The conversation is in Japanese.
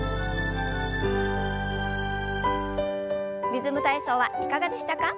「リズム体操」はいかがでしたか？